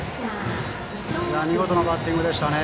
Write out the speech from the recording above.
見事なバッティングでした。